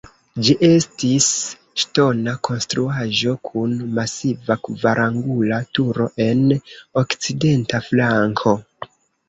Ĝi estis ŝtona konstruaĵo kun masiva kvarangula turo en okcidenta flanko.